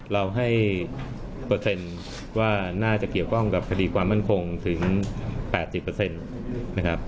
เราให้เปอร์เซ็นต์ว่าน่าจะเกี่ยวข้องกับคดีความมั่นคงถึง๘๐นะครับ